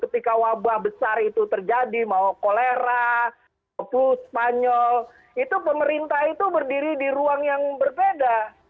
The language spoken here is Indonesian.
ketika wabah besar itu terjadi mau kolera opu spanyol itu pemerintah itu berdiri di ruang yang berbeda